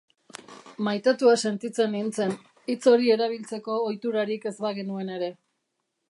Maitatua sentitzen nintzen, hitz hori erabiltzeko ohiturarik ez bagenuen ere.